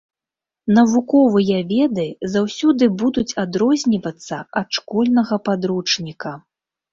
Навуковыя веды заўсёды будуць адрознівацца ад школьнага падручніка.